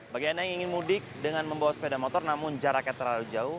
bagi anda yang ingin mudik dengan membawa sepeda motor namun jaraknya terlalu jauh